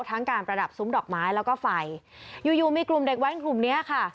การประดับซุ้มดอกไม้แล้วก็ไฟอยู่อยู่มีกลุ่มเด็กแว้นกลุ่มเนี้ยค่ะ